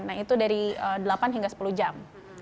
nah itu dari delapan hingga sepuluh jam